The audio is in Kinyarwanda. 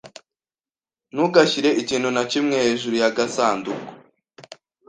Ntugashyire ikintu na kimwe hejuru yagasanduku.